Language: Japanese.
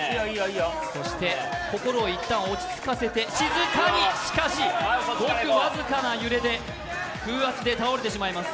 そして心を一旦落ち着けてしかし、ごく僅かな揺れで、風圧で倒れてしまいます。